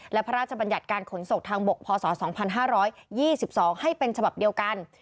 และพระราชบัญญัติการขนส่งทางบกพศ๒๕๒๒ให้เป็นฉบับเดียวกัน